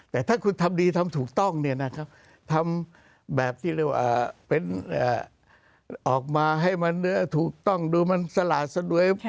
แต่ถ้าคุณทำดีทำถูกต้องเนี่ยนะครับทำแบบที่เรียกว่าเป็นออกมาให้มันเนื้อถูกต้องดูมันสลาดสะดวย